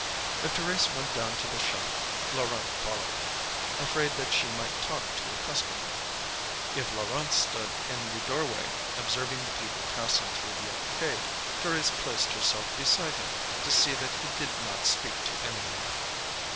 If Thérèse went down to the shop, Laurent followed, afraid that she might talk to a customer; if Laurent stood in the doorway, observing the people passing through the arcade, Thérèse placed herself beside him to see that he did not speak to anyone.